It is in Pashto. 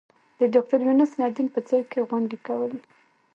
د ډاکټر یونس ندیم په ځای کې غونډې کولې.